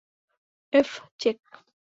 F, check.